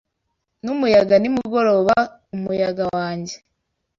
Numuyaga nimugoroba umuyaga wanjye